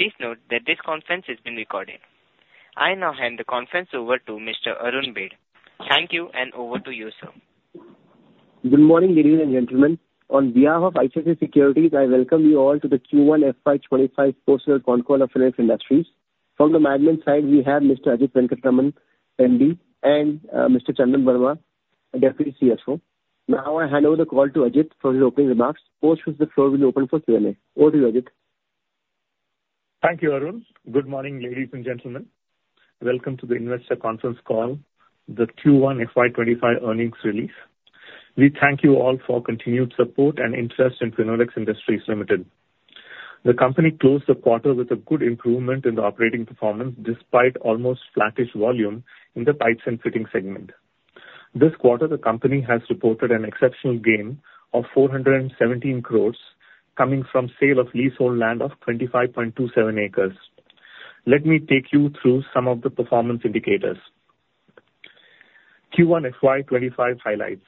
Please note that this conference is being recorded. I now hand the conference over to Mr. Arun Baid. Thank you, and over to you, sir. Good morning, ladies and gentlemen. On behalf of ICICI Securities, I welcome you all to the Q1 FY 2025 Post-Sale Concall of Finolex Industries. From the management side, we have Mr. Ajit Venkataraman, MD, and Mr. Chandan Verma, Deputy CFO. Now, I hand over the call to Ajit for his opening remarks. After this, we will open the floor for Q&A. Over to you, Ajit. Thank you, Arun. Good morning, ladies and gentlemen. Welcome to the Investor Conference Call, the Q1 FY 2025 earnings release. We thank you all for continued support and interest in Finolex Industries Limited. The company closed the quarter with a good improvement in the operating performance despite almost flattish volume in the pipes and fitting segment. This quarter, the company has reported an exceptional gain of 417 crore coming from sale of leasehold land of 25.27 acres. Let me take you through some of the performance indicators. Q1 FY 2025 highlights.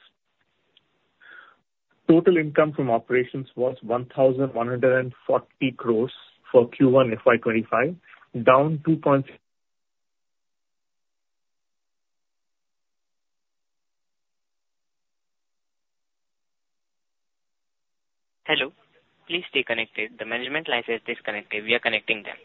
Total income from operations was 1,140 crore for Q1 FY 2025, down 2.6%. Hello. Please stay connected. The management line is disconnected. We are connecting them.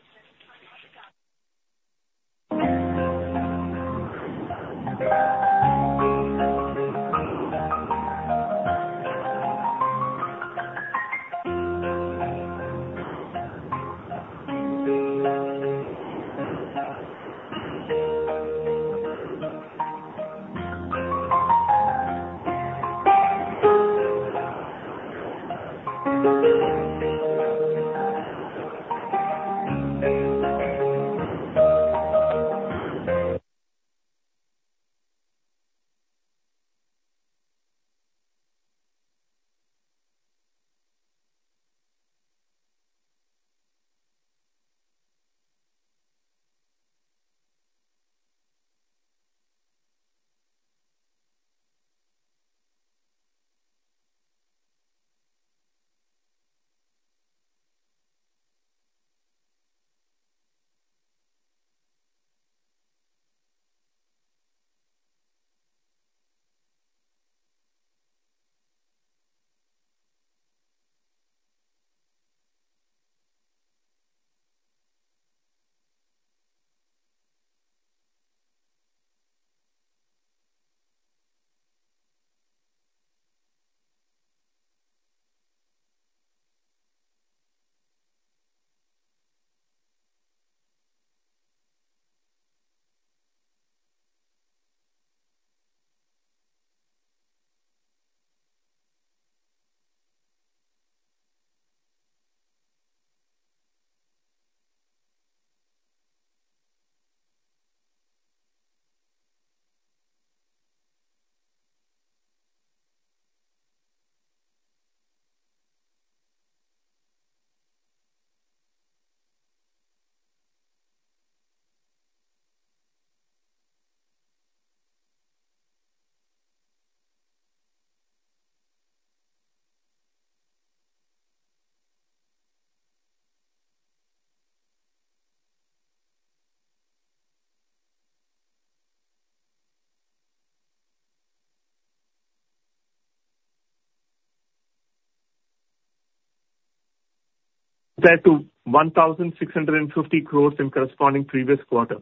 That to 1,650 crores in corresponding previous quarter.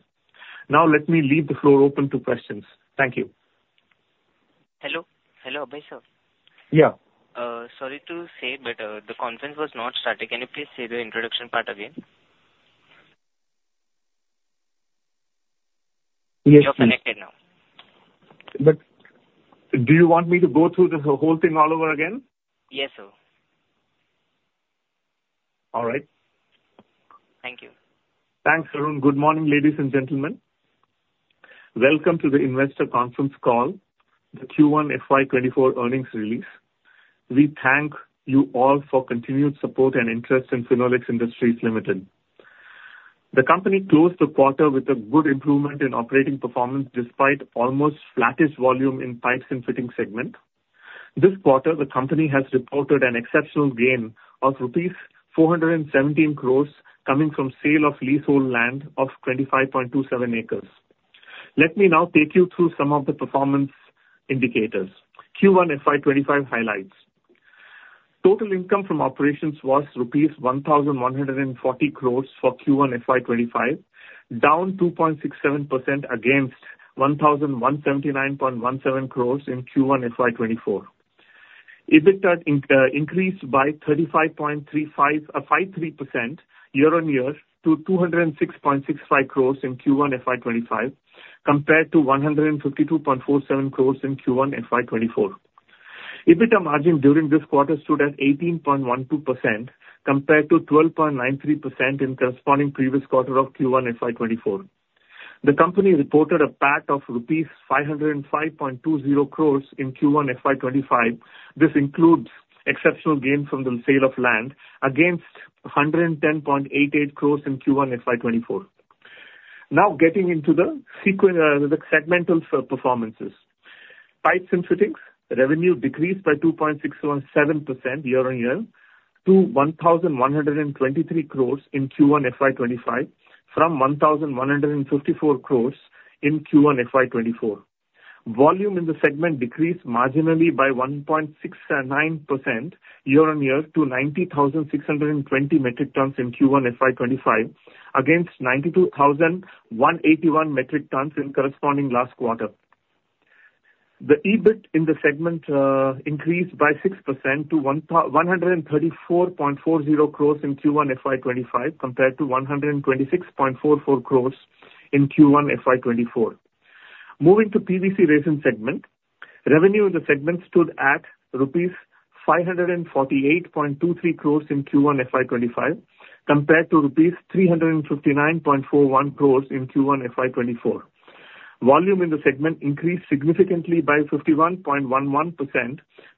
Now, let me leave the floor open to questions. Thank you. Hello. Hello, Abhay, sir. Yeah. Sorry to say, but the conference was not starting. Can you please say the introduction part again? Yes, sir. You're connected now. But do you want me to go through the whole thing all over again? Yes, sir. All right. Thank you. Thanks, Arun. Good morning, ladies and gentlemen. Welcome to the Investor Conference Call, the Q1 FY 2024 earnings release. We thank you all for continued support and interest in Finolex Industries Limited. The company closed the quarter with a good improvement in operating performance despite almost flattish volume in pipes and fittings segment. This quarter, the company has reported an exceptional gain of rupees 417 crores coming from sale of leasehold land of 25.27 acres. Let me now take you through some of the performance indicators. Q1 FY 2025 highlights. Total income from operations was rupees 1,140 crores for Q1 FY 2025, down 2.67% against 1,179.17 crores in Q1 FY 2024. EBITDA increased by 53% year-on-year to 206.65 crores in Q1 FY 2025 compared to 152.47 crores in Q1 FY 2024. EBITDA margin during this quarter stood at 18.12% compared to 12.93% in corresponding previous quarter of Q1 FY 2024. The company reported a PAT of rupees 505.20 crores in Q1 FY 2025. This includes exceptional gain from the sale of land against 110.88 crores in Q1 FY 2024. Now, getting into the segmental performances. Pipes and Fittings revenue decreased by 2.67% year-on-year to 1,123 crores in Q1 FY 2025 from 1,154 crores in Q1 FY 2024. Volume in the segment decreased marginally by 1.69% year-on-year to 90,620 metric tons in Q1 FY 2025 against 92,181 metric tons in corresponding last quarter. The EBIT in the segment increased by 6% to 134.40 crores in Q1 FY 2025 compared to 126.44 crores in Q1 FY 2024. Moving to PVC Resin segment, revenue in the segment stood at rupees 548.23 crores in Q1 FY 2025 compared to rupees 359.41 crores in Q1 FY 2024. Volume in the segment increased significantly by 51.11%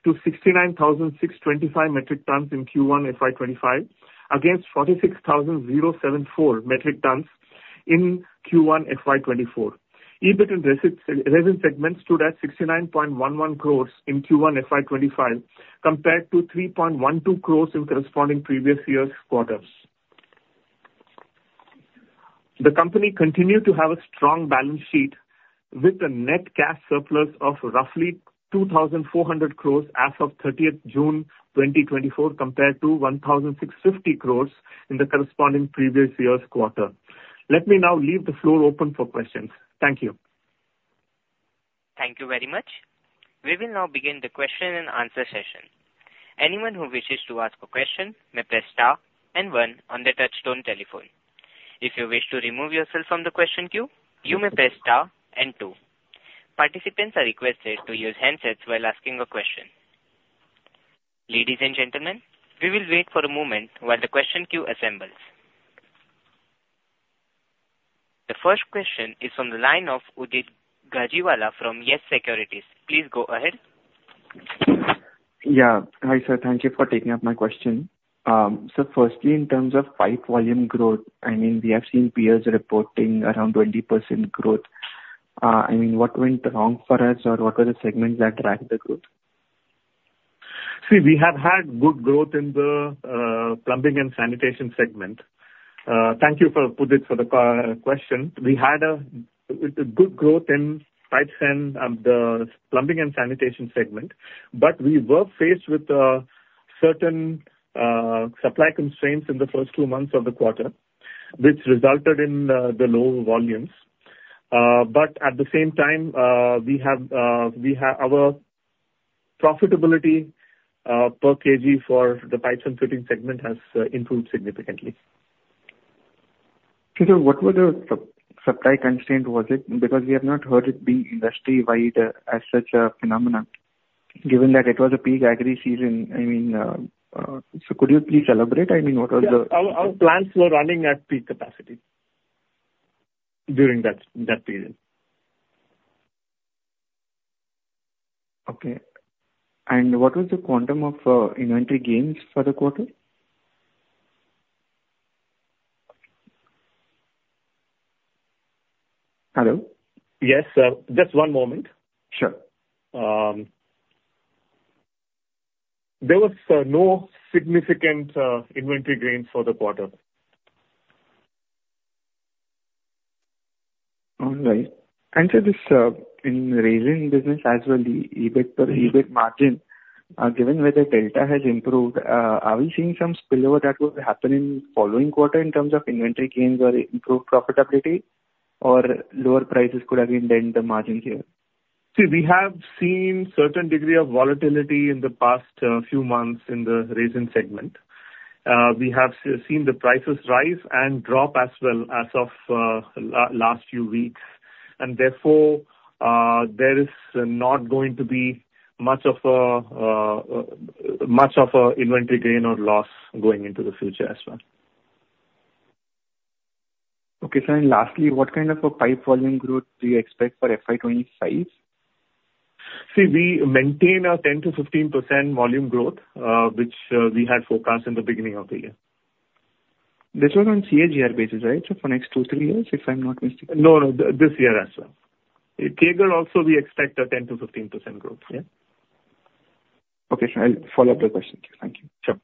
to 69,625 metric tons in Q1 FY 2025 against 46,074 metric tons in Q1 FY 2024. EBIT in resin segment stood at 69.11 crores in Q1 FY 2025 compared to 3.12 crores in corresponding previous year's quarters. The company continued to have a strong balance sheet with a net cash surplus of roughly 2,400 crores as of 30 June 2024 compared to 1,650 crores in the corresponding previous year's quarter. Let me now leave the floor open for questions. Thank you. Thank you very much. We will now begin the question and answer session. Anyone who wishes to ask a question may press star and one on the touch-tone telephone. If you wish to remove yourself from the question queue, you may press star and two. Participants are requested to use handsets while asking a question. Ladies and gentlemen, we will wait for a moment while the question queue assembles. The first question is from the line of Udit Gajiwala from Yes Securities. Please go ahead. Yeah. Hi, sir. Thank you for taking up my question. So firstly, in terms of pipe volume growth, I mean, we have seen peers reporting around 20% growth. I mean, what went wrong for us, or what were the segments that dragged the growth? See, we have had good growth in the plumbing and sanitation segment. Thank you, Udit, for the question. We had good growth in pipes and the plumbing and sanitation segment, but we were faced with certain supply constraints in the first two months of the quarter, which resulted in the low volumes. But at the same time, our profitability per kg for the pipes and fitting segment has improved significantly. Sir, what were the supply constraints? Was it because we have not heard it be industry-wide as such a phenomenon, given that it was a peak agri season? I mean, so could you please elaborate? I mean, what was the? Our plants were running at peak capacity during that period. Okay. And what was the quantum of inventory gains for the quarter? Hello? Yes, sir. Just one moment. Sure. There was no significant inventory gains for the quarter. All right. And sir, this in resin business as well, the EBIT margin, given where the delta has improved, are we seeing some spillover that will happen in the following quarter in terms of inventory gains or improved profitability or lower prices could have been then the margins here? See, we have seen a certain degree of volatility in the past few months in the resin segment. We have seen the prices rise and drop as well as of last few weeks. And therefore, there is not going to be much of a inventory gain or loss going into the future as well. Okay. Lastly, what kind of a pipe volume growth do you expect for FY 2025? See, we maintain a 10%-15% volume growth, which we had forecast in the beginning of the year. This was on CAGR basis, right, for next 2-3 years, if I'm not mistaken? No, no. This year as well. CAGR also, we expect a 10%-15% growth here. Okay. I'll follow up the question. Thank you. Sure.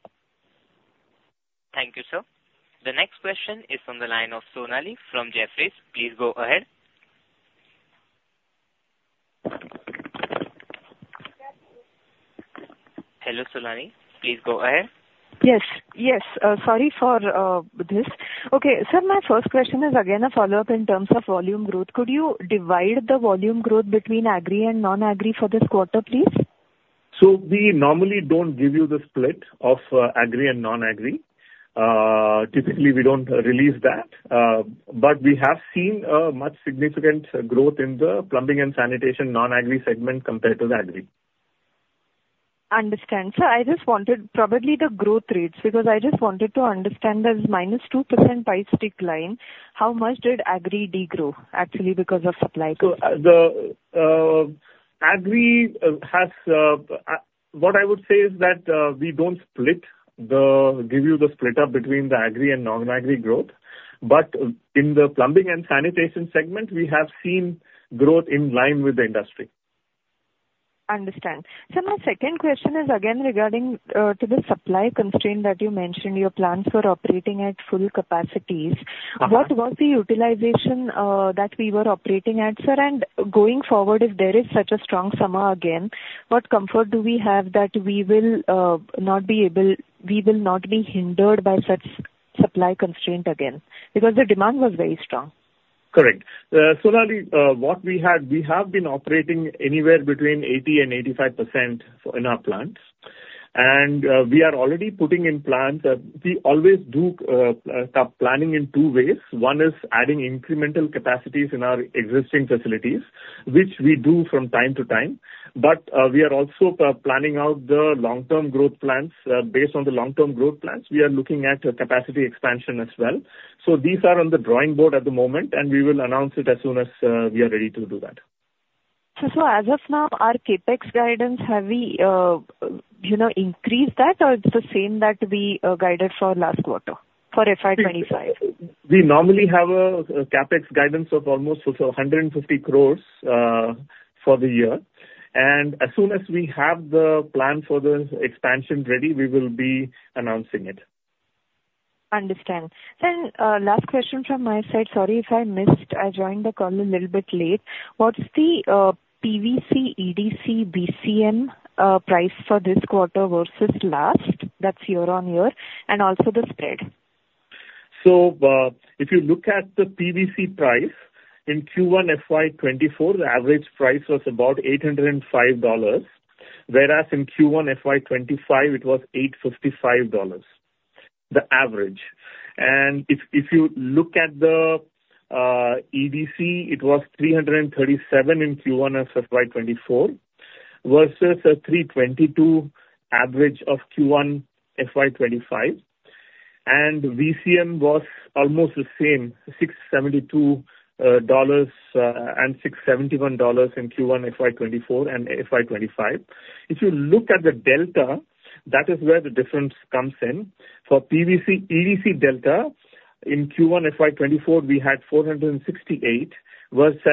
Thank you, sir. The next question is from the line of Sonali from Jefferies. Please go ahead. Hello, Sonali. Please go ahead. Yes. Yes. Sorry for this. Okay. Sir, my first question is again a follow-up in terms of volume growth. Could you divide the volume growth between agri and non-agri for this quarter, please? We normally don't give you the split of agri and non-agri. Typically, we don't release that. We have seen a much significant growth in the plumbing and sanitation non-agri segment compared to the agri. Understand. Sir, I just wanted probably the growth rates because I just wanted to understand this -2% pipe stick line, how much did agri degrow actually because of supply growth? The agri has what I would say is that we don't split to give you the split up between the agri and non-agri growth. In the plumbing and sanitation segment, we have seen growth in line with the industry. Understand. Sir, my second question is again regarding to the supply constraint that you mentioned your plants were operating at full capacities. What was the utilization that we were operating at, sir? And going forward, if there is such a strong summer again, what comfort do we have that we will not be able we will not be hindered by such supply constraint again because the demand was very strong? Correct. Sonali, what we had, we have been operating anywhere between 80%-85% in our plants. We are already putting in plans. We always do planning in two ways. One is adding incremental capacities in our existing facilities, which we do from time to time. But we are also planning out the long-term growth plans. Based on the long-term growth plans, we are looking at capacity expansion as well. These are on the drawing board at the moment, and we will announce it as soon as we are ready to do that. Sir, as of now, our CapEx guidance, have we increased that, or it's the same that we guided for last quarter for FY 2025? We normally have a CapEx guidance of almost 150 crore for the year. As soon as we have the plan for the expansion ready, we will be announcing it. Understood. Sir, last question from my side. Sorry if I missed. I joined the call a little bit late. What's the PVC, EDC, VCM price for this quarter versus last? That's year-on-year. And also the spread. So if you look at the PVC price in Q1 FY 2024, the average price was about $805, whereas in Q1 FY 2025, it was $855, the average. And if you look at the EDC, it was $337 in Q1 FY 2024 versus a $322 average of Q1 FY 2025. And VCM was almost the same, $672 and $671 in Q1 FY 2024 and FY 2025. If you look at the delta, that is where the difference comes in. For PVC, EDC delta in Q1 FY 2024, we had $468 versus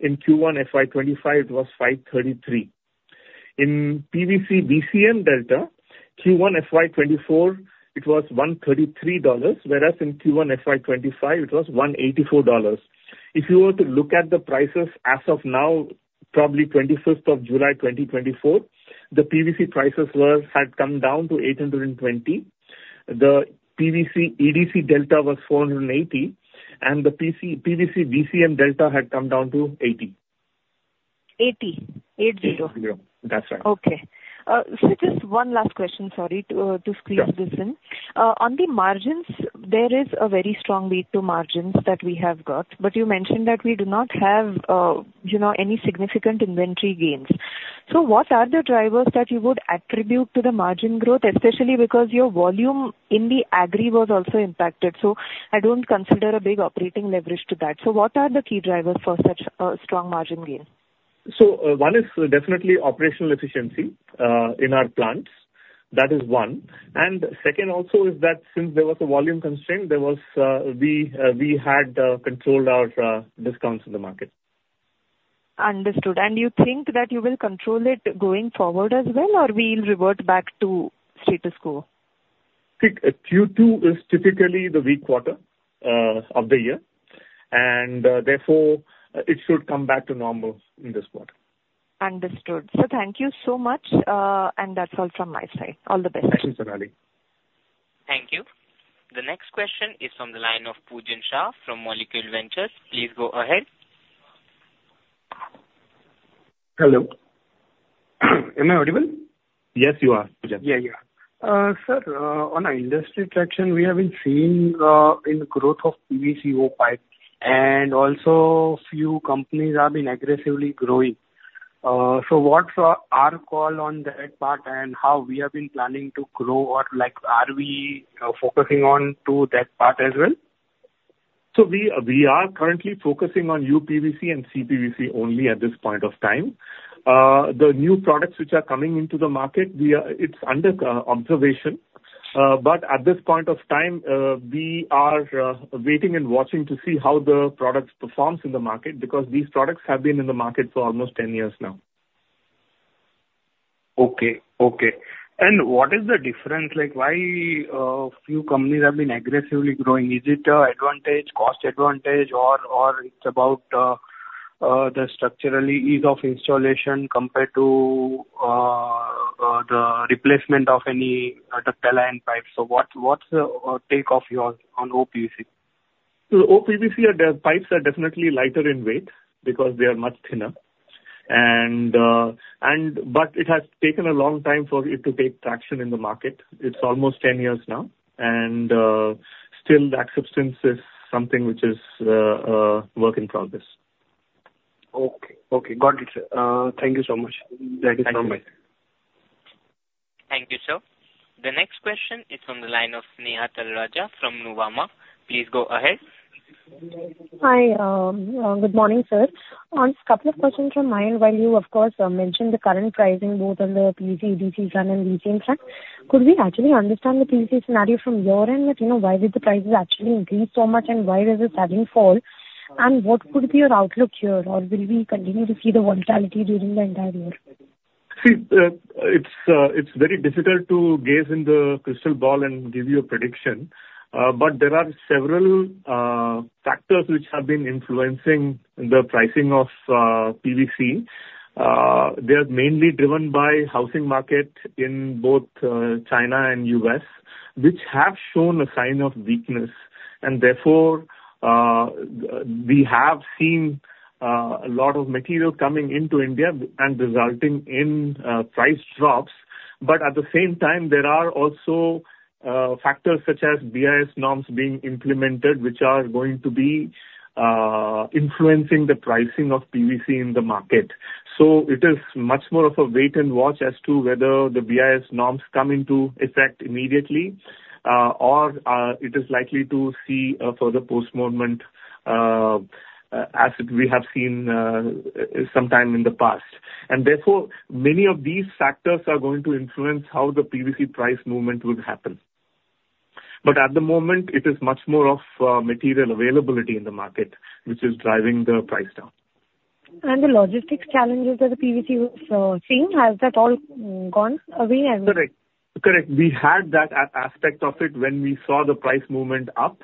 in Q1 FY 2025, it was $533. In PVC, VCM delta, Q1 FY 2024, it was $133, whereas in Q1 FY 2025, it was $184. If you were to look at the prices as of now, probably 25 July 2024, the PVC prices had come down to $820. The PVC, EDC delta was $480, and the PVC, VCM delta had come down to $80. 80. 80. That's right. Okay. Sir, just one last question, sorry, to squeeze this in. On the margins, there is a very strong weight to margins that we have got, but you mentioned that we do not have any significant inventory gains. So what are the drivers that you would attribute to the margin growth, especially because your volume in the agri was also impacted? So I don't consider a big operating leverage to that. So what are the key drivers for such a strong margin gain? One is definitely operational efficiency in our plants. That is one. Second also is that since there was a volume constraint, we had controlled our discounts in the market. Understood. You think that you will control it going forward as well, or will revert back to status quo? See, Q2 is typically the weak quarter of the year, and therefore, it should come back to normal in this quarter. Understood. Sir, thank you so much. That's all from my side. All the best. Thank you, Sonali. Thank you. The next question is from the line of Pujan Shah from Molecule Ventures. Please go ahead. Hello. Am I audible? Yes, you are, Pujan. Yeah, yeah. Sir, on our industry traction, we have been seeing in the growth of PVCO pipe, and also a few companies have been aggressively growing. So what's our call on that part and how we have been planning to grow, or are we focusing on to that part as well? So we are currently focusing on UPVC and CPVC only at this point of time. The new products which are coming into the market, it's under observation. But at this point of time, we are waiting and watching to see how the products perform in the market because these products have been in the market for almost 10 years now. Okay. Okay. What is the difference? Why have a few companies been aggressively growing? Is it advantage, cost advantage, or it's about the structural ease of installation compared to the replacement of any ductile line pipes? What's the takeoff on PVCO? So PVCO pipes are definitely lighter in weight because they are much thinner. But it has taken a long time for it to take traction in the market. It's almost 10 years now, and still acceptance is something which is a work in progress. Okay. Okay. Got it, sir. Thank you so much. Thank you so much. Thank you, sir. The next question is from the line of Sneha Talreja from Nuvama. Please go ahead. Hi. Good morning, sir. Just a couple of questions from my end while you, of course, mentioned the current pricing both on the PVC, EDC front, and VCM front. Could we actually understand the PVC scenario from your end? Why did the prices actually increase so much, and why does it suddenly fall? What could be your outlook here, or will we continue to see the volatility during the entire year? See, it's very difficult to gaze into the crystal ball and give you a prediction, but there are several factors which have been influencing the pricing of PVC. They are mainly driven by the housing market in both China and the US, which have shown a sign of weakness. Therefore, we have seen a lot of material coming into India and resulting in price drops. At the same time, there are also factors such as BIS norms being implemented, which are going to be influencing the pricing of PVC in the market. It is much more of a wait-and-watch as to whether the BIS norms come into effect immediately, or it is likely to see a further price movement as we have seen sometime in the past. Therefore, many of these factors are going to influence how the PVC price movement will happen. But at the moment, it is much more of material availability in the market, which is driving the price down. The logistics challenges that the PVC was seeing, has that all gone away? Correct. Correct. We had that aspect of it when we saw the price movement up,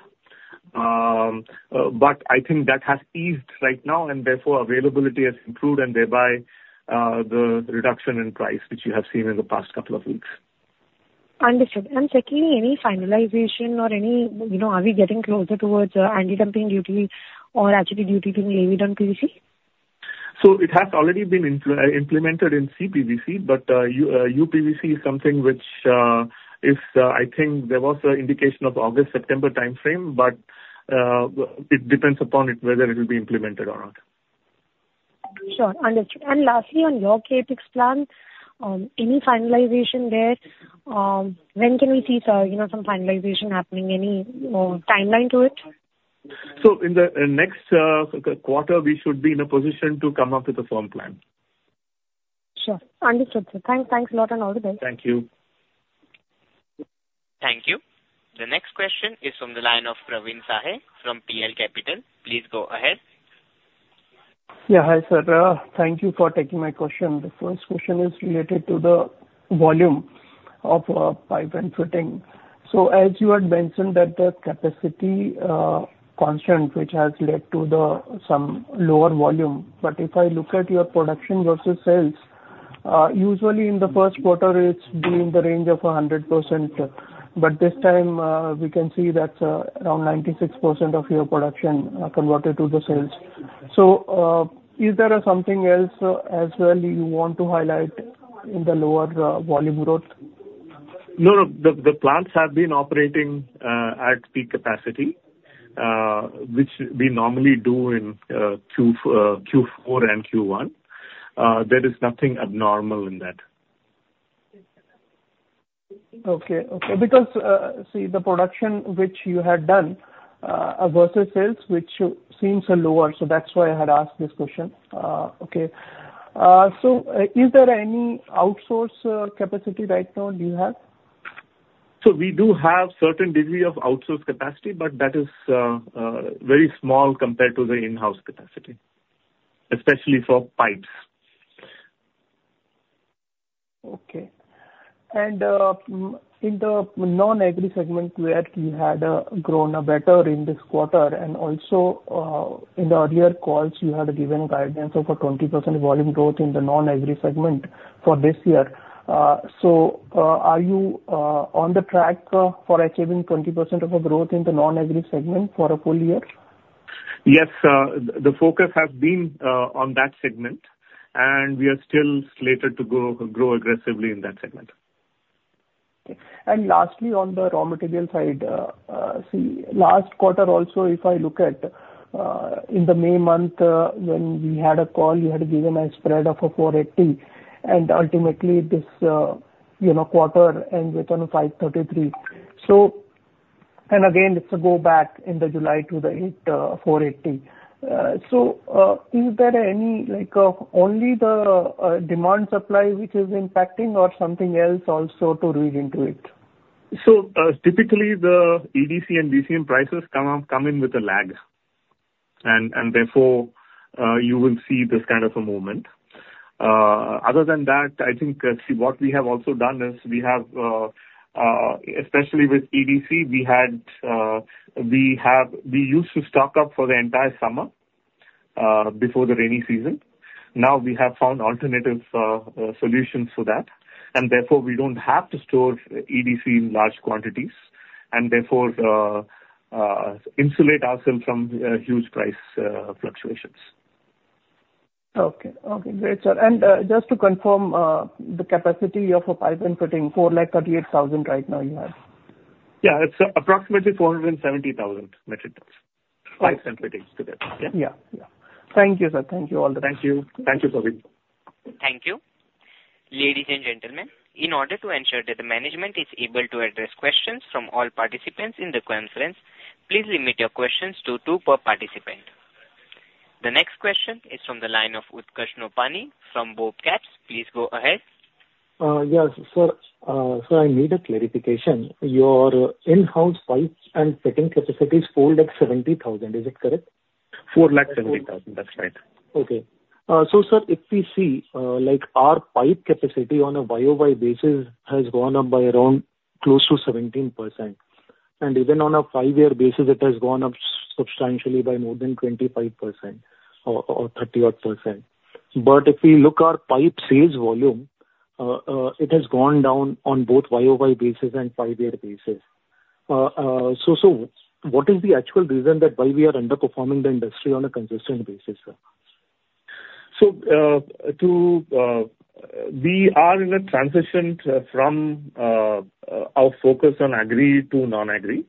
but I think that has eased right now, and therefore, availability has improved, and thereby the reduction in price, which you have seen in the past couple of weeks. Understood. Secondly, any finalization or any, are we getting closer towards anti-dumping duty or actually duty being levied on PVC? So it has already been implemented in CPVC, but UPVC is something which is, I think there was an indication of August, September timeframe, but it depends upon whether it will be implemented or not. Sure. Understood. Lastly, on your CapEx plan, any finalization there? When can we see some finalization happening? Any timeline to it? In the next quarter, we should be in a position to come up with a firm plan. Sure. Understood, sir. Thanks a lot and all the best. Thank you. Thank you. The next question is from the line of Praveen Sahay from PL Capital. Please go ahead. Yeah. Hi, sir. Thank you for taking my question. The first question is related to the volume of pipe and fitting. So as you had mentioned, that the capacity constant, which has led to some lower volume. But if I look at your production versus sales, usually in the first quarter, it's been in the range of 100%. But this time, we can see that's around 96% of your production converted to the sales. So is there something else as well you want to highlight in the lower volume growth? No, no. The plants have been operating at peak capacity, which we normally do in Q4 and Q1. There is nothing abnormal in that. Okay. Okay. Because see, the production which you had done versus sales, which seems lower, so that's why I had asked this question. Okay. So is there any outsourced capacity right now you have? We do have a certain degree of outsourced capacity, but that is very small compared to the in-house capacity, especially for pipes. Okay. In the non-agri segment, you had grown better in this quarter. Also, in the earlier calls, you had given guidance of a 20% volume growth in the non-agri segment for this year. Are you on the track for achieving 20% of a growth in the non-agri segment for a full year? Yes. The focus has been on that segment, and we are still slated to grow aggressively in that segment. Okay. And lastly, on the raw material side, see, last quarter also, if I look at in the May month, when we had a call, you had given a spread of $480. And ultimately, this quarter ended on $533. And again, it's gone back in July to the $480. So is there only the demand supply which is impacting, or something else also to read into it? So typically, the EDC and VCM prices come in with a lag, and therefore, you will see this kind of a movement. Other than that, I think what we have also done is we have, especially with EDC, we used to stock up for the entire summer before the rainy season. Now, we have found alternative solutions for that. And therefore, we don't have to store EDC in large quantities and therefore insulate ourselves from huge price fluctuations. Okay. Okay. Great, sir. And just to confirm, the capacity of pipes and fittings, 438,000 right now you have? Yeah. It's approximately 470,000 metric tons. Pipes and fittings together. Yeah. Yeah. Yeah. Thank you, sir. Thank you. All the best. Thank you. Thank you, Praveen. Thank you. Ladies and gentlemen, in order to ensure that the management is able to address questions from all participants in the conference, please limit your questions to two per participant. The next question is from the line of Utkarsh Nopany from BOBCAPS. Please go ahead. Yes, sir. Sir, I need a clarification. Your in-house pipes and fittings capacity is 470,000. Is it correct? 470,000. That's right. Okay. So, sir, if we see our pipe capacity on a YOY basis has gone up by around close to 17%. And even on a five-year basis, it has gone up substantially by more than 25% or 30% odd. But if we look at our pipe sales volume, it has gone down on both YOY basis and five-year basis. So what is the actual reason that why we are underperforming the industry on a consistent basis, sir? So we are in a transition from our focus on agri to non-agri.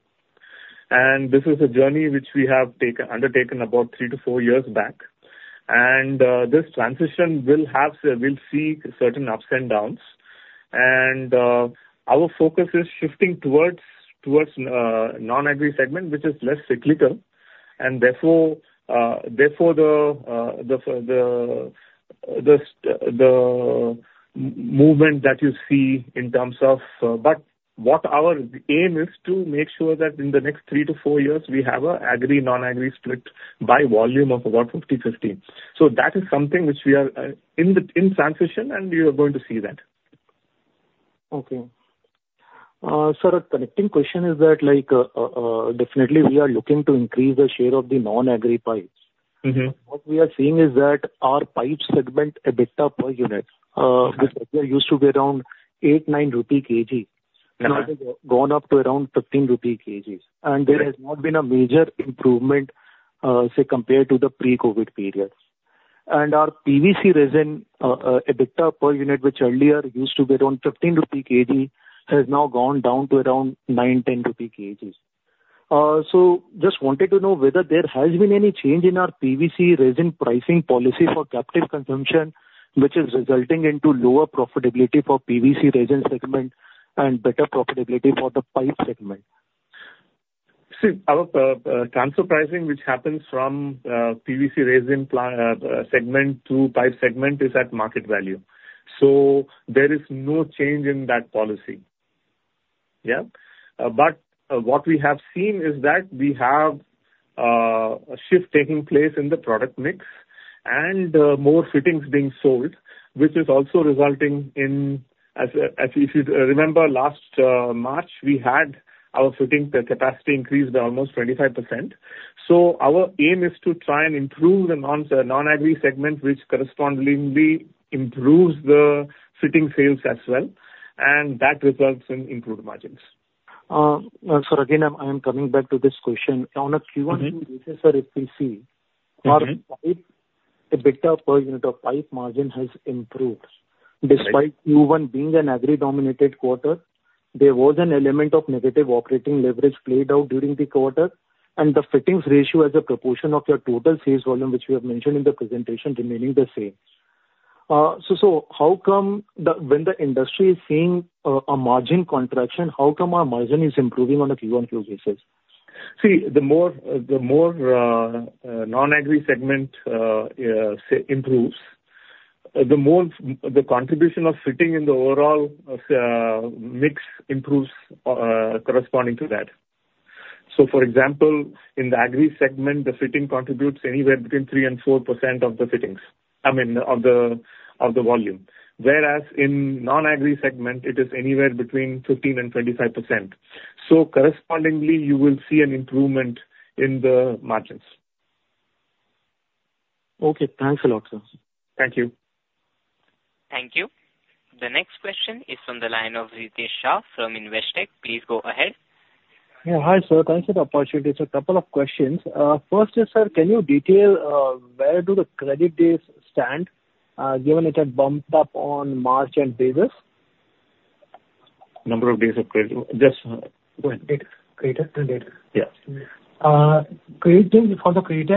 This is a journey which we have undertaken about three to four years back. This transition will have seen certain ups and downs. Our focus is shifting towards non-agri segment, which is less cyclical. And therefore, the movement that you see in terms of but what our aim is to make sure that in the next three to four years, we have an agri-non-agri split by volume of about 50/50. So that is something which we are in transition, and you are going to see that. Okay. Sir, a connecting question is that definitely, we are looking to increase the share of the non-agri pipes. What we are seeing is that our pipe segment, EBITDA per unit, which used to be around 8-9 INR/kg, has gone up to around 15 INR/kg. And there has not been a major improvement, say, compared to the pre-COVID period. And our PVC resin, EBITDA per unit, which earlier used to be around 15 INR/kg, has now gone down to around 9-10 INR/kg. So just wanted to know whether there has been any change in our PVC resin pricing policy for captive consumption, which is resulting in lower profitability for PVC resin segment and better profitability for the pipe segment. See, our transfer pricing, which happens from PVC resin segment to pipe segment, is at market value. So there is no change in that policy. Yeah. But what we have seen is that we have a shift taking place in the product mix and more fittings being sold, which is also resulting in, if you remember, last March, we had our fitting capacity increased by almost 25%. So our aim is to try and improve the non-agri segment, which correspondingly improves the fitting sales as well. And that results in improved margins. Sir, again, I am coming back to this question. On a Q1, if we see our pipe, a bit up per unit of pipe margin has improved. Despite Q1 being an agri-dominated quarter, there was an element of negative operating leverage played out during the quarter, and the fittings ratio as a proportion of your total sales volume, which we have mentioned in the presentation, remaining the same. So when the industry is seeing a margin contraction, how come our margin is improving on a Q1, Q2 basis? See, the more non-agri segment improves, the more the contribution of fitting in the overall mix improves corresponding to that. So, for example, in the agri segment, the fitting contributes anywhere between 3%-4% of the fittings, I mean, of the volume. Whereas in non-agri segment, it is anywhere between 15%-25%. So correspondingly, you will see an improvement in the margins. Okay. Thanks a lot, sir. Thank you. Thank you. The next question is from the line of Ritesh Shah from Investec. Please go ahead. Yeah. Hi, sir. Thanks for the opportunity. Sir, a couple of questions. First is, sir, can you detail where do the credit days stand, given it had bumped up on March and basis? Number of days of credit? Yes. Go ahead. Great. Great. Yeah. For the credit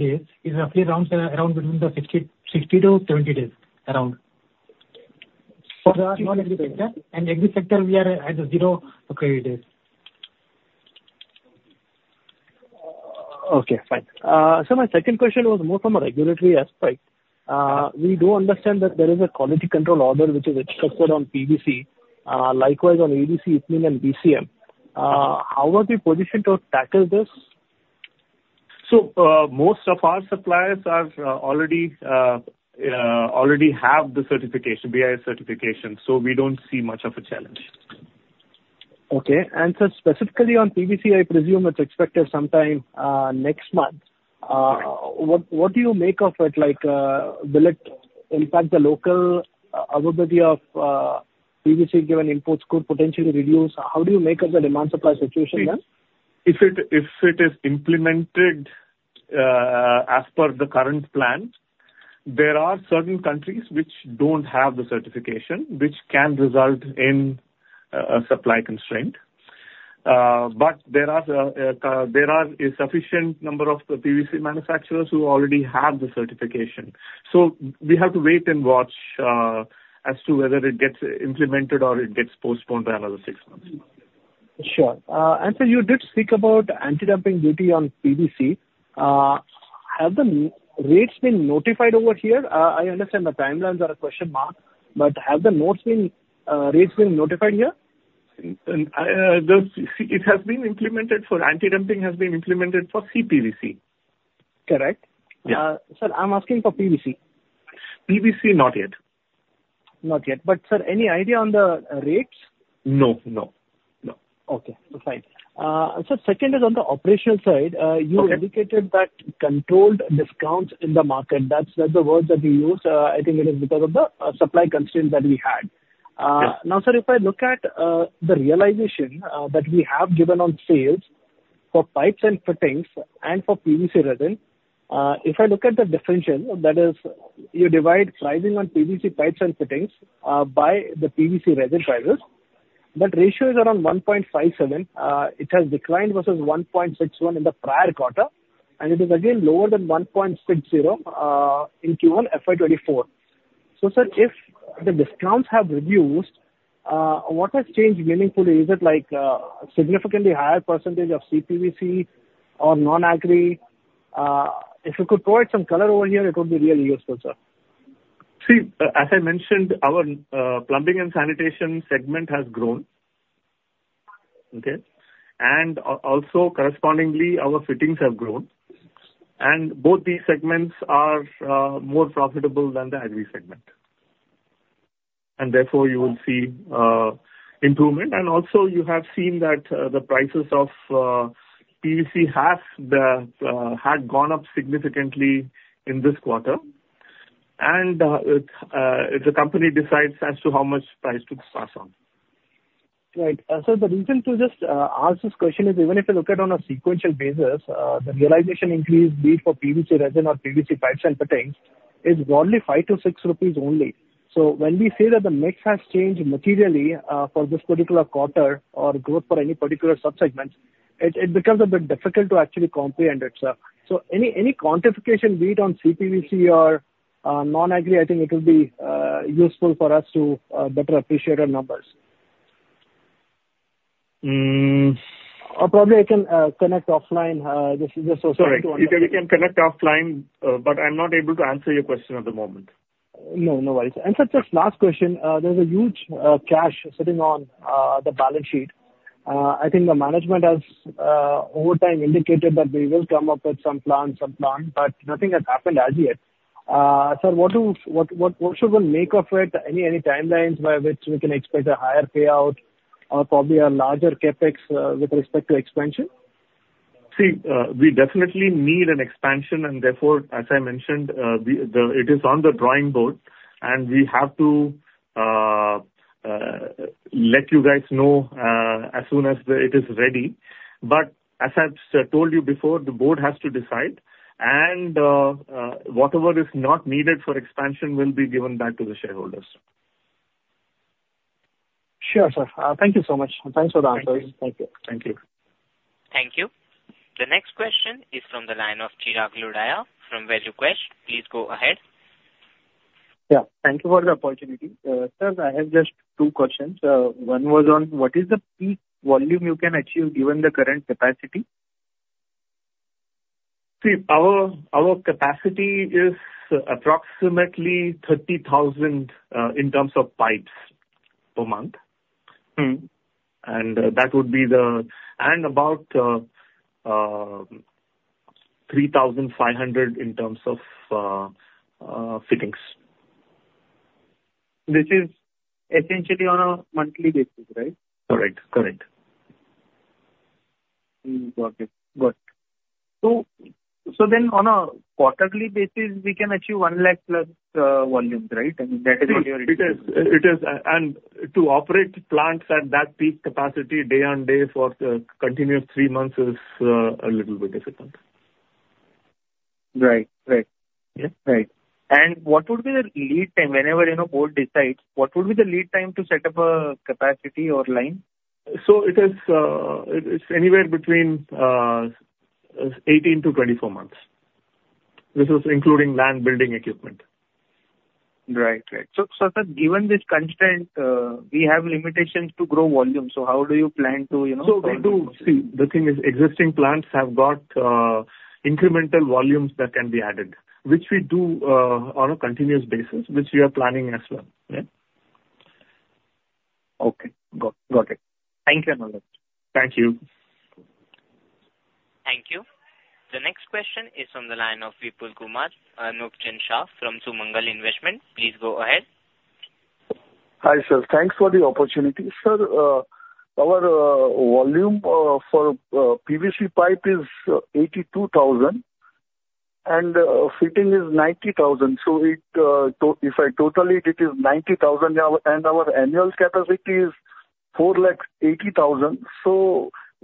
days, it's roughly around between 60-70 days, around. For the non-agri sector? Agri sector, we are at zero credit days. Okay. Fine. Sir, my second question was more from a regulatory aspect. We do understand that there is a quality control order which is structured on PVC, likewise on EDC, IPMIN, and VCM. How are we positioned to tackle this? So most of our suppliers already have the BIS certification, so we don't see much of a challenge. Okay. Sir, specifically on PVC, I presume it's expected sometime next month. What do you make of it? Will it impact the local availability of PVC given imports could potentially reduce? How do you make of the demand supply situation then? If it is implemented as per the current plan, there are certain countries which don't have the certification, which can result in a supply constraint. But there are a sufficient number of PVC manufacturers who already have the certification. So we have to wait and watch as to whether it gets implemented or it gets postponed by another six months. Sure. And sir, you did speak about Anti-dumping duty on PVC. Have the rates been notified over here? I understand the timelines are a question mark, but have the rates been notified here? It has been implemented for anti-dumping for CPVC. Correct? Yeah. Sir, I'm asking for PVC. PVC, not yet. Not yet. But, sir, any idea on the rates? No. No. No. Okay. Fine. Sir, second is on the operational side. You indicated that controlled discounts in the market. That's the words that you used. I think it is because of the supply constraint that we had. Now, sir, if I look at the realization that we have given on sales for pipes and fittings and for PVC resin, if I look at the differential, that is, you divide pricing on PVC pipes and fittings by the PVC resin prices, that ratio is around 1.57. It has declined versus 1.61 in the prior quarter, and it is again lower than 1.60 in Q1 FY 2024. So, sir, if the discounts have reduced, what has changed meaningfully? Is it a significantly higher percentage of CPVC or non-agri? If you could provide some color over here, it would be really useful, sir. See, as I mentioned, our plumbing and sanitation segment has grown. Okay? And also, correspondingly, our fittings have grown. And both these segments are more profitable than the agri segment. And therefore, you will see improvement. And also, you have seen that the prices of PVC had gone up significantly in this quarter. And the company decides as to how much price to pass on. Right. Sir, the reason to just ask this question is, even if you look at it on a sequential basis, the realization increase for PVC resin or PVC pipes and fittings is only 5-6 rupees only. So when we say that the mix has changed materially for this particular quarter or growth for any particular subsegment, it becomes a bit difficult to actually comprehend it, sir. So any quantification weight on CPVC or non-agri, I think it will be useful for us to better appreciate our numbers. Probably I can connect offline. This is just also to. Sorry. We can connect offline, but I'm not able to answer your question at the moment. No. No worries. Sir, just last question. There's a huge cash sitting on the balance sheet. I think the management has over time indicated that they will come up with some plans, some plans, but nothing has happened as yet. Sir, what should we make of it? Any timelines by which we can expect a higher payout or probably a larger CapEx with respect to expansion? See, we definitely need an expansion. Therefore, as I mentioned, it is on the drawing board, and we have to let you guys know as soon as it is ready. But as I've told you before, the board has to decide. Whatever is not needed for expansion will be given back to the shareholders. Sure, sir. Thank you so much. And thanks for the answers. Thank you. Thank you. Thank you. The next question is from the line of Chirag Lodaya from Valuequest. Please go ahead. Yeah. Thank you for the opportunity. Sir, I have just two questions. One was on what is the peak volume you can achieve given the current capacity? See, our capacity is approximately 30,000 in terms of pipes per month. And that would be about 3,500 in terms of fittings. This is essentially on a monthly basis, right? Correct. Correct. Got it. Got it. So then on a quarterly basis, we can achieve 100,000+ volumes, right? I mean, that is what you're interested in. It is. To operate plants at that peak capacity day on day for the continuous three months is a little bit difficult. Right. Right. Yeah. Right. And what would be the lead time whenever a board decides? What would be the lead time to set up a capacity or line? It's anywhere between 18-24 months, including land building equipment. Right. Right. So, sir, given this constant, we have limitations to grow volume. So how do you plan to? So we do. See, the thing is existing plants have got incremental volumes that can be added, which we do on a continuous basis, which we are planning as well. Okay. Got it. Thank you very much. Thank you. Thank you. The next question is from the line of Vipul Kumar Anupchand Shah from Sumangal Investment. Please go ahead. Hi, sir. Thanks for the opportunity. Sir, our volume for PVC pipe is 82,000, and fitting is 90,000. If I total it, it is 90,000, and our annual capacity is 480,000.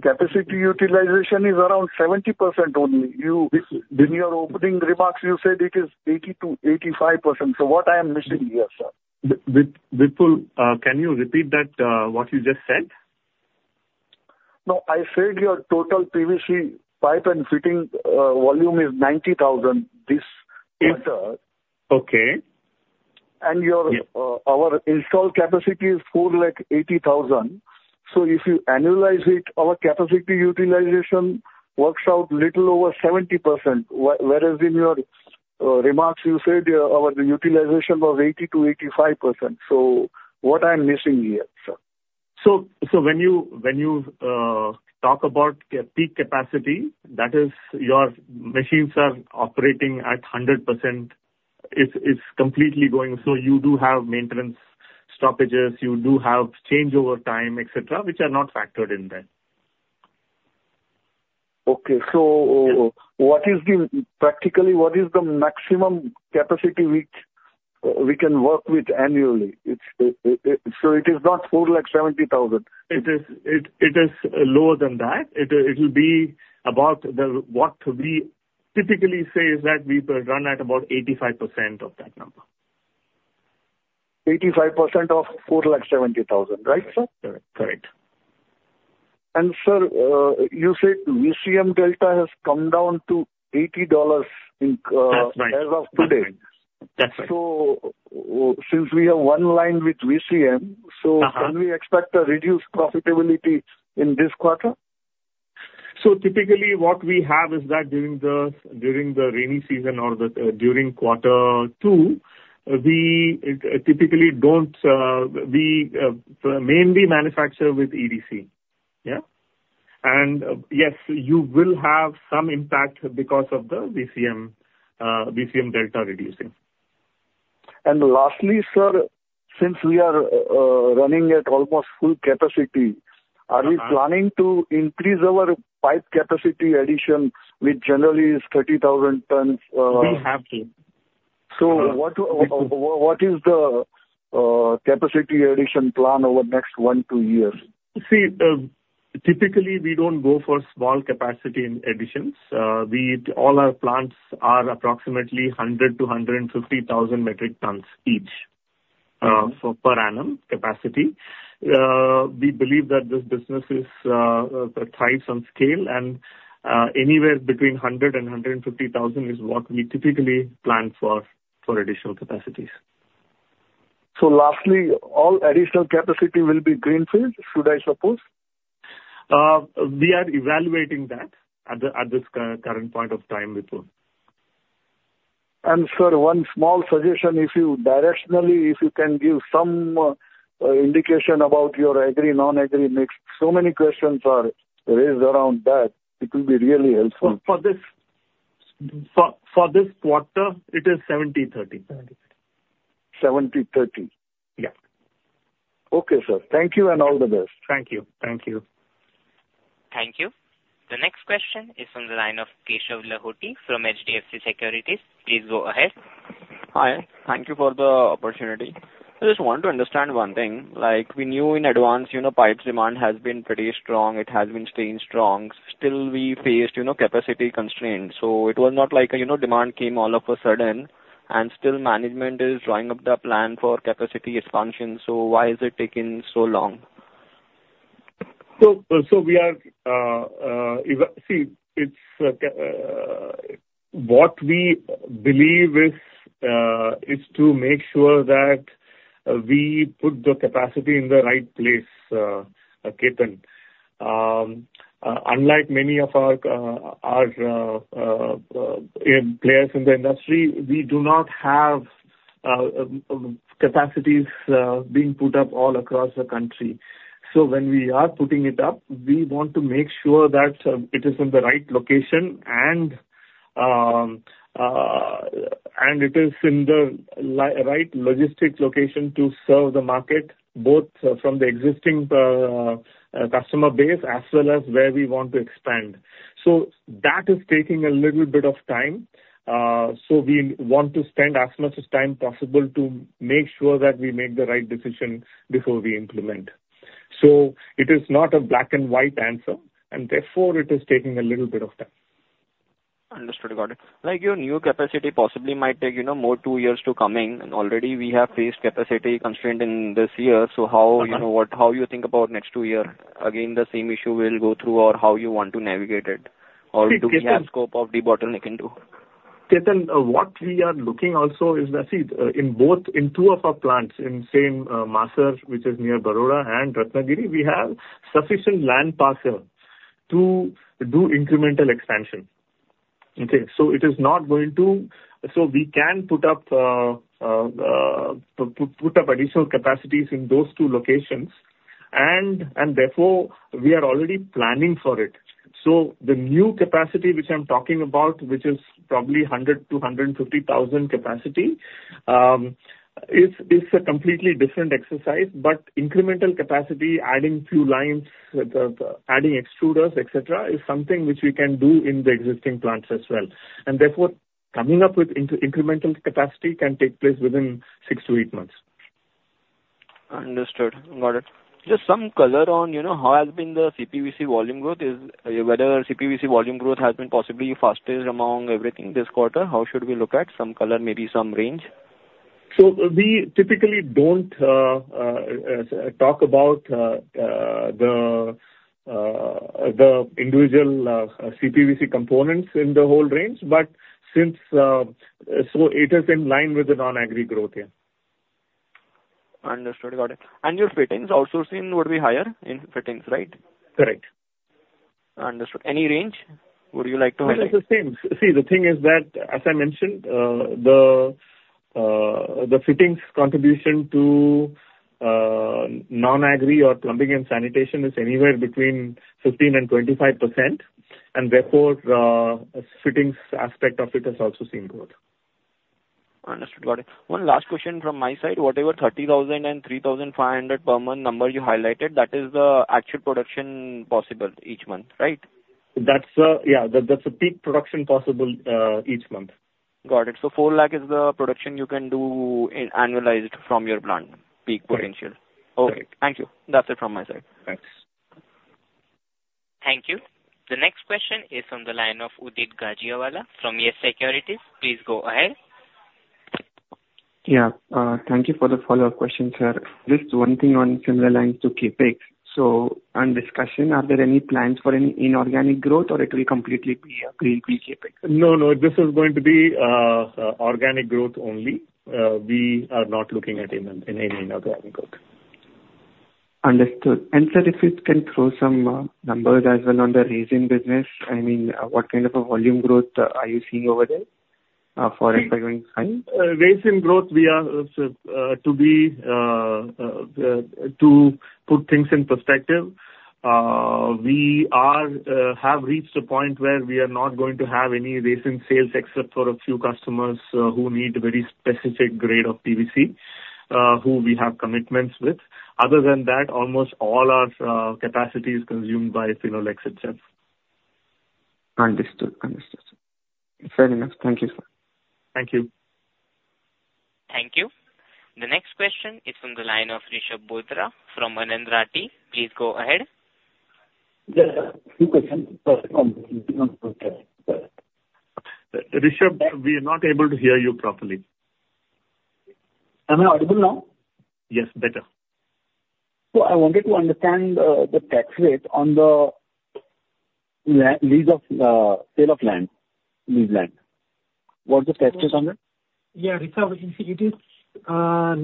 Capacity utilization is around 70% only. In your opening remarks, you said it is 80%-85%. What I am missing here, sir? Vipul, can you repeat that, what you just said? No, I said your total PVC pipe and fitting volume is 90,000. This quarter. Okay. Our installed capacity is 480,000. So if you annualize it, our capacity utilization works out a little over 70%. Whereas in your remarks, you said our utilization was 80%-85%. So what I'm missing here, sir? So when you talk about peak capacity, that is, your machines are operating at 100%. It's completely going. So you do have maintenance stoppages. You do have changeover time, etc., which are not factored in there. Okay. So practically, what is the maximum capacity we can work with annually? So it is not 470,000. It is lower than that. It will be about what we typically say is that we run at about 85% of that number. 85% of 470,000, right, sir? Correct. Correct. And sir, you said VCM Delta has come down to $80 as of today. That's right. Since we have one line with VCM, so can we expect a reduced profitability in this quarter? So typically, what we have is that during the rainy season or during quarter two, we typically don't mainly manufacture with EDC. Yeah? And yes, you will have some impact because of the VCM Delta reducing. And lastly, sir, since we are running at almost full capacity, are we planning to increase our pipe capacity addition, which generally is 30,000 tons? We have to. What is the capacity addition plan over the next 1-2 years? See, typically, we don't go for small capacity additions. All our plants are approximately 100,000-150,000 metric tons each per annum capacity. We believe that this business thrives on scale, and anywhere between 100,000 and 150,000 is what we typically plan for additional capacities. Lastly, all additional capacity will be greenfield, should I suppose? We are evaluating that at this current point of time, Vipul. Sir, one small suggestion, if you directionally, if you can give some indication about your agri-non-agri mix, so many questions are raised around that. It will be really helpful. For this quarter, it is 70/30. 70/30. Yeah. Okay, sir. Thank you and all the best. Thank you. Thank you. Thank you. The next question is from the line of Keshav Lahoti from HDFC Securities. Please go ahead. Hi. Thank you for the opportunity. I just want to understand one thing. We knew in advance pipes demand has been pretty strong. It has been staying strong. Still, we faced capacity constraints. So it was not like demand came all of a sudden. And still, management is drawing up the plan for capacity expansion. So why is it taking so long? So we are seeing what we believe is to make sure that we put the capacity in the right place, Kethan. Unlike many of our players in the industry, we do not have capacities being put up all across the country. So when we are putting it up, we want to make sure that it is in the right location, and it is in the right logistics location to serve the market, both from the existing customer base as well as where we want to expand. So that is taking a little bit of time. So we want to spend as much time possible to make sure that we make the right decision before we implement. So it is not a black and white answer. And therefore, it is taking a little bit of time. Understood. Got it. Like your new capacity possibly might take more two years to come in. Already, we have faced capacity constraint in this year. So how you think about next two years? Again, the same issue will go through or how you want to navigate it? Or do we have scope of debottlenecking too? Kethan, what we are looking also is that, see, in two of our plants, in same Masar, which is near Baroda and Ratnagiri, we have sufficient land parcel to do incremental expansion. Okay? So it is not going to so we can put up additional capacities in those two locations. And therefore, we are already planning for it. So the new capacity which I'm talking about, which is probably 100,000-150,000 capacity, it's a completely different exercise. But incremental capacity, adding few lines, adding extruders, etc., is something which we can do in the existing plants as well. And therefore, coming up with incremental capacity can take place within six to eight months. Understood. Got it. Just some color on how has been the CPVC volume growth? Whether CPVC volume growth has been possibly fastest among everything this quarter, how should we look at? Some color, maybe some range? We typically don't talk about the individual CPVC components in the whole range. But since so it is in line with the non-agri growth here. Understood. Got it. And your fittings outsourcing would be higher in fittings, right? Correct. Understood. Any range? Would you like to highlight? Well, it's the same. See, the thing is that, as I mentioned, the fittings contribution to non-agri or plumbing and sanitation is anywhere between 15%-25%. And therefore, fittings aspect of it has also seen growth. Understood. Got it. One last question from my side. Whatever 30,000 and 3,500 per month number you highlighted, that is the actual production possible each month, right? Yeah. That's the peak production possible each month. Got it. So 4 lakh is the production you can do annualized from your plant peak potential. Correct. Okay. Thank you. That's it from my side. Thanks. Thank you. The next question is from the line of Udit Gajiwala from Yes Securities. Please go ahead. Yeah. Thank you for the follow-up question, sir. Just one thing on similar lines to CapEx. So on discussion, are there any plans for any inorganic growth, or it will completely be a greenfield CapEx? No, no. This is going to be organic growth only. We are not looking at any organic growth. Understood. Sir, if you can throw some numbers as well on the resin business, I mean, what kind of a volume growth are you seeing over there for resin growth? Resin growth, to put things in perspective, we have reached a point where we are not going to have any resin sales except for a few customers who need very specific grade of PVC, who we have commitments with. Other than that, almost all our capacity is consumed by Finolex, etc. Understood. Understood. Fair enough. Thank you, sir. Thank you. Thank you. The next question is from the line of Rishabh Bothra from Anand Rathi. Please go ahead. Yes, sir. Few questions. Sorry. Rishabh, we are not able to hear you properly. Am I audible now? Yes, better. I wanted to understand the tax rate on the sale of land. What's the tax rate on that? Yeah. Rishabh, it is at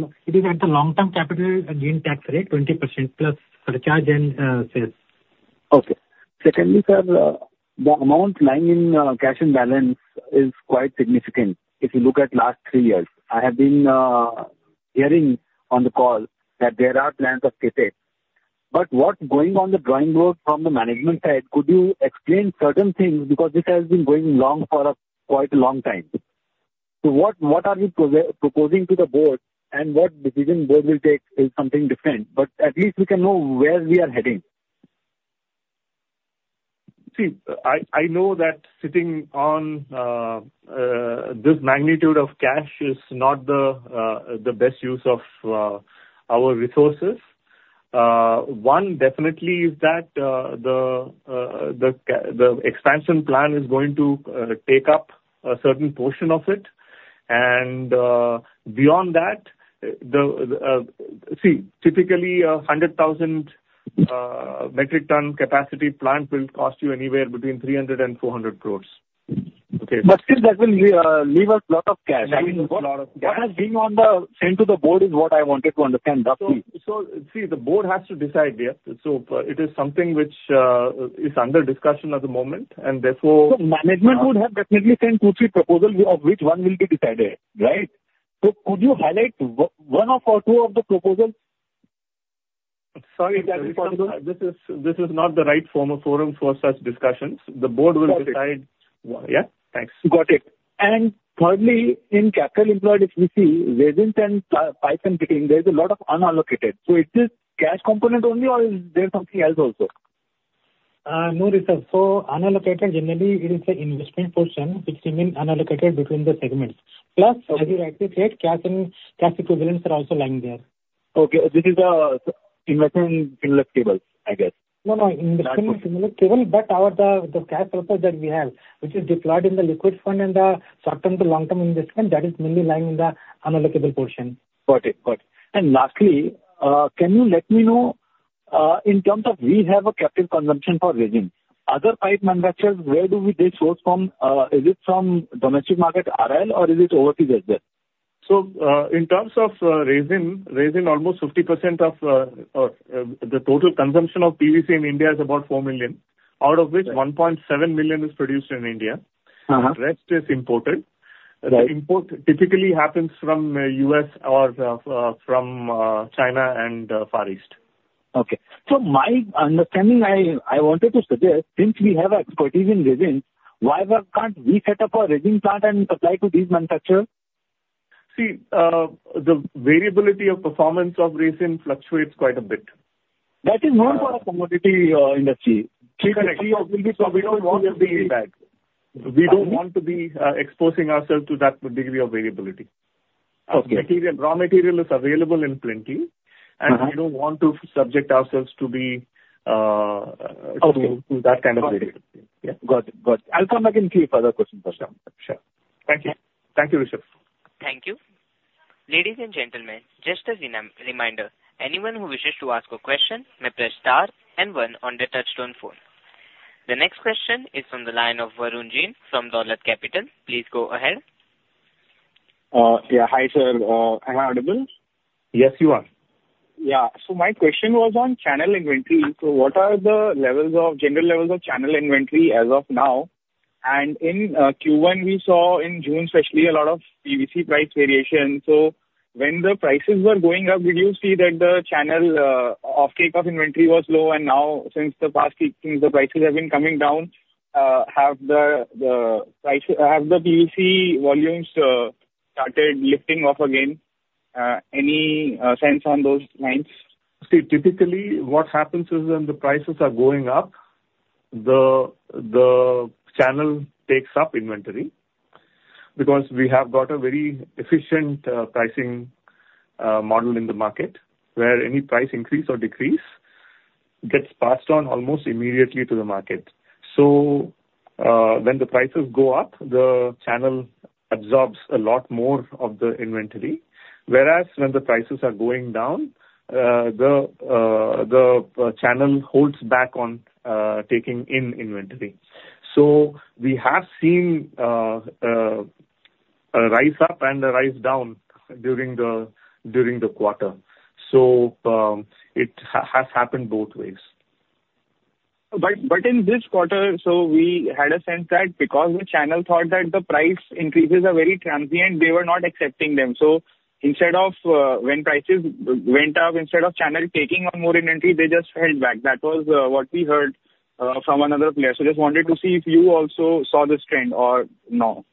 the long-term capital gain tax rate, 20% plus surcharge and sales. Okay. Secondly, sir, the amount lying in cash and balance is quite significant if you look at last three years. I have been hearing on the call that there are plans of CapEx. But what's going on the drawing board from the management side, could you explain certain things? Because this has been going on for quite a long time. So what are you proposing to the board, and what decision the board will take is something different. But at least we can know where we are heading. See, I know that sitting on this magnitude of cash is not the best use of our resources. One, definitely, is that the expansion plan is going to take up a certain portion of it. And beyond that, see, typically, 100,000 metric ton capacity plant will cost you anywhere between 300-400 crore. Okay? Still, that will leave us a lot of cash. I mean, what has been sent to the board is what I wanted to understand, roughly. See, the board has to decide, yeah? It is something which is under discussion at the moment. Therefore. Management would have definitely sent two or three proposals of which one will be decided, right? Could you highlight one or two of the proposals? Sorry, Kethan, this is not the right form of forum for such discussions. The board will decide. Okay. Yeah? Thanks. Got it. And thirdly, in capital employed, if we see resins and pipes and fittings, there is a lot of unallocated. So is this cash component only, or is there something else also? No, Rishabh. So unallocated, generally, it is the investment portion, which remains unallocated between the segments. Plus, as you rightly said, cash equivalents are also lying there. Okay. This is investment in Finolex Cables, I guess. No, no. Investment in Finolex Cables, but the cash purpose that we have, which is deployed in the liquid fund and the short-term to long-term investment, that is mainly lying in the unallocable portion. Got it. Got it. And lastly, can you let me know, in terms of we have a captive consumption for resins, other pipe manufacturers, where do we source from? Is it from domestic market RIL, or is it overseas as well? So in terms of resin, almost 50% of the total consumption of PVC in India is about 4 million. Out of which, 1.7 million is produced in India. The rest is imported. The import typically happens from the U.S. or from China and Far East. Okay. My understanding, I wanted to suggest, since we have expertise in resins, why can't we set up a resin plant and supply to these manufacturers? See, the variability of performance of resin fluctuates quite a bit. That is known for a commodity industry. Correct. We don't want to be bad. We don't want to be exposing ourselves to that degree of variability. Raw material is available in plenty, and we don't want to subject ourselves to that kind of variability. Got it. Got it. I'll come back and see if other questions are there. Sure. Sure. Thank you. Thank you, Rishabh. Thank you. Ladies and gentlemen, just as a reminder, anyone who wishes to ask a question may press star and one on the touch-tone phone. The next question is from the line of Varun Jain from Dolat Capital. Please go ahead. Yeah. Hi, sir. Am I audible? Yes, you are. Yeah. So my question was on channel inventory. So what are the general levels of channel inventory as of now? And in Q1, we saw in June, especially, a lot of PVC price variation. So when the prices were going up, did you see that the channel off-take of inventory was low? And now, since the past week since the prices have been coming down, have the PVC volumes started lifting off again? Any sense on those lines? See, typically, what happens is when the prices are going up, the channel takes up inventory because we have got a very efficient pricing model in the market where any price increase or decrease gets passed on almost immediately to the market. So when the prices go up, the channel absorbs a lot more of the inventory. Whereas when the prices are going down, the channel holds back on taking in inventory. So we have seen a rise up and a rise down during the quarter. So it has happened both ways. But in this quarter, so we had a sense that because the channel thought that the price increases are very transient, they were not accepting them. So instead of when prices went up, instead of channel taking on more inventory, they just held back. That was what we heard from another player. So just wanted to see if you also saw this trend or not.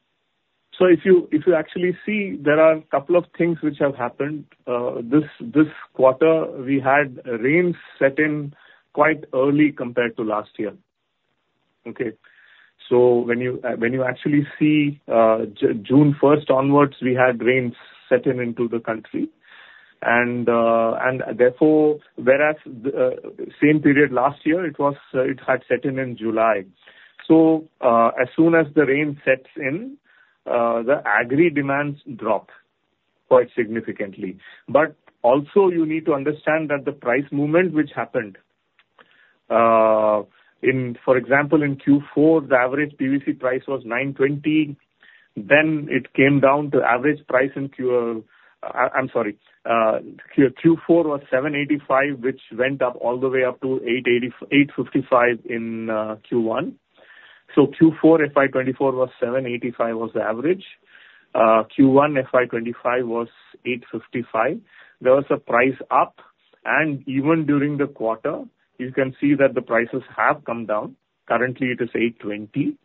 So if you actually see, there are a couple of things which have happened. This quarter, we had rains set in quite early compared to last year. Okay? So when you actually see June 1st onwards, we had rains set in into the country. And therefore, whereas the same period last year, it had set in in July. So as soon as the rain sets in, the agri demands drop quite significantly. But also, you need to understand that the price movement which happened, for example, in Q4, the average PVC price was 920. Then it came down to average price in I'm sorry. Q4 was 785, which went up all the way up to 855 in Q1. So Q4, FY 2024 was 785 was the average. Q1, FY 2025 was 855. There was a price up. And even during the quarter, you can see that the prices have come down. Currently, it is 820.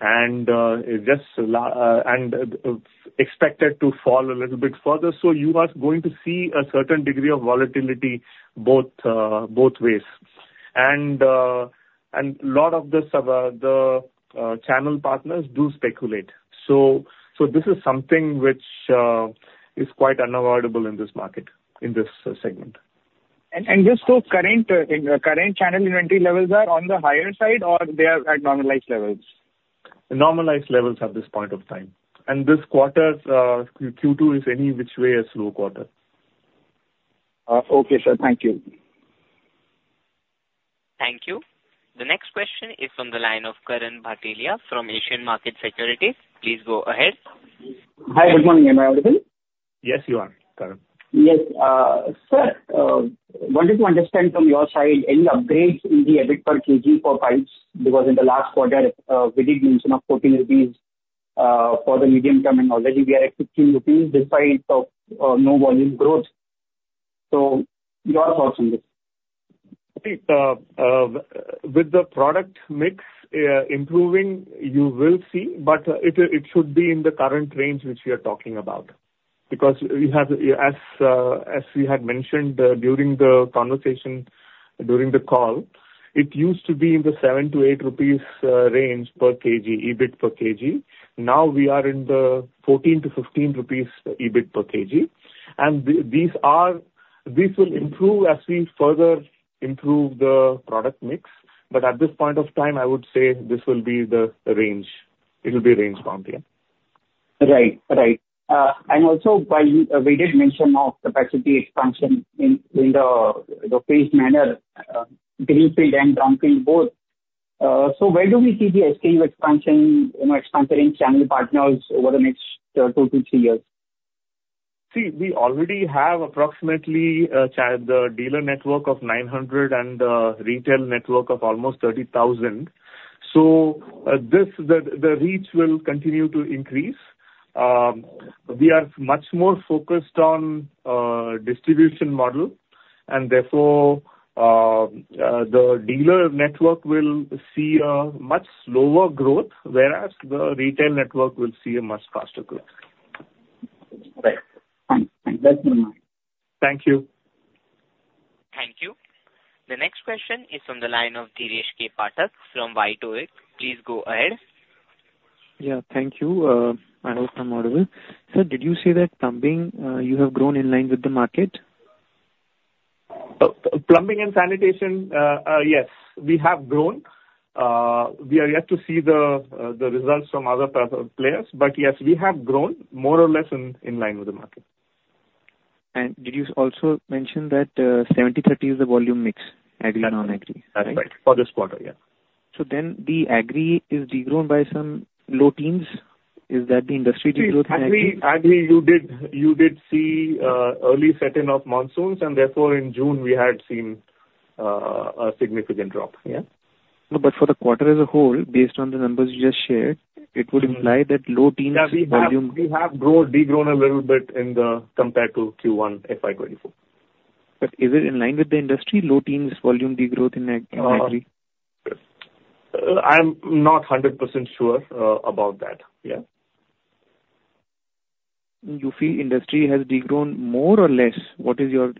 And it just expected to fall a little bit further. So you are going to see a certain degree of volatility both ways. And a lot of the channel partners do speculate. So this is something which is quite unavoidable in this market, in this segment. And just so current channel inventory levels are on the higher side, or they are at normalized levels? Normalized levels at this point of time. This quarter, Q2 is any which way a slow quarter. Okay, sir. Thank you. Thank you. The next question is from the line of Karan Bhatelia from Asian Market Securities. Please go ahead. Hi. Good morning. Am I audible? Yes, you are, Karan. Yes, sir, wanted to understand from your side, any upgrades in the EBIT per kg for pipes? Because in the last quarter, we did mention of ₹14 for the medium-term and already we are at ₹15 despite no volume growth. So your thoughts on this? See, with the product mix improving, you will see. But it should be in the current range which we are talking about. Because as we had mentioned during the conversation, during the call, it used to be in the ₹7-₹8 range per kg, EBIT per kg. Now we are in the ₹14-₹15 EBIT per kg. And these will improve as we further improve the product mix. But at this point of time, I would say this will be the range. It will be range bound, yeah. Right. Right. And also, we did mention of capacity expansion in the phased manner, greenfield and debottlenecking both. So where do we see the capex expansion in channel partners over the next 2-3 years? See, we already have approximately the dealer network of 900 and the retail network of almost 30,000. The reach will continue to increase. We are much more focused on distribution model. Therefore, the dealer network will see a much slower growth, whereas the retail network will see a much faster growth. Right. Thanks. Thanks. Thank you. Thank you. The next question is from the line of Diresh K. Pathak from Y2X. Please go ahead. Yeah. Thank you. I hope I'm audible. Sir, did you say that plumbing, you have grown in line with the market? Plumbing and sanitation, yes, we have grown. We are yet to see the results from other players. But yes, we have grown more or less in line with the market. Did you also mention that 70/30 is the volume mix, agri-non-agri? Right. For this quarter, yeah. So then the agri is degrown by some low teens. Is that the industry degrowth? Agri, you did see early set-in of monsoons. And therefore, in June, we had seen a significant drop, yeah? But for the quarter as a whole, based on the numbers you just shared, it would imply low teens volume. We have degrown a little bit compared to Q1, FY 2024. Is it in line with the industry, low teens volume degrowth in agri? I'm not 100% sure about that, yeah? You feel industry has degrown more or less? What is your?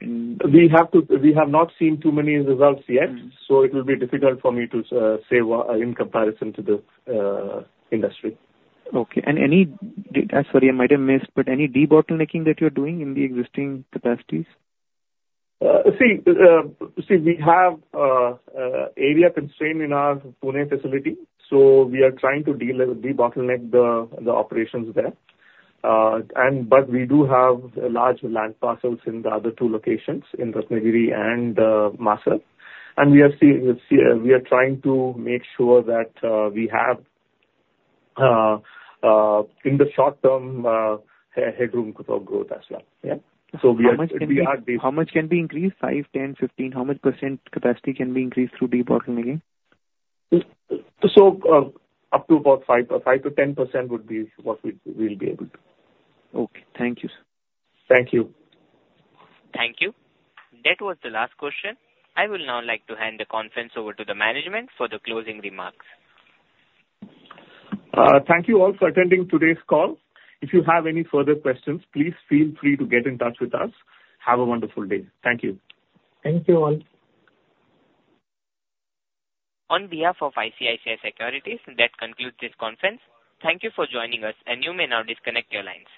We have not seen too many results yet. So it will be difficult for me to say in comparison to the industry. Okay. Any - sorry, I might have missed - but any debottlenecking that you're doing in the existing capacities? See, we have area constraint in our Pune facility. So we are trying to debottleneck the operations there. But we do have large land parcels in the other two locations, in Ratnagiri and Masar. And we are trying to make sure that we have, in the short term, headroom for growth as well, yeah? So we are de-. How much can be increased? 5, 10, 15? How much % capacity can be increased through debottlenecking? Up to about 5%-10% would be what we'll be able to. Okay. Thank you, sir. Thank you. Thank you. That was the last question. I will now like to hand the conference over to the management for the closing remarks. Thank you all for attending today's call. If you have any further questions, please feel free to get in touch with us. Have a wonderful day. Thank you. Thank you all. On behalf of ICICI Securities, that concludes this conference. Thank you for joining us, and you may now disconnect your lines.